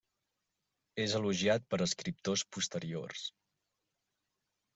És elogiat per escriptors posteriors.